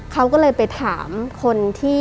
เขาก็เลยไปถามคนที่